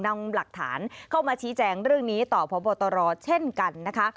นำหลักฐานเข้ามาชี้แจงเรื่องนี้ต่อพบตรเช่นกันนะคะ